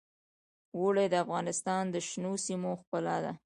اوړي د افغانستان د شنو سیمو ښکلا ده.